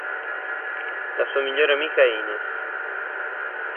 La sua migliore amica è Ines.